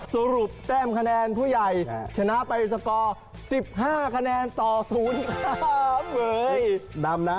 สรุปแป้มคะแนนผู้ใหญ่ชนะไปสกอร์สิบห้าคะแนนต่อศูนย์ครับ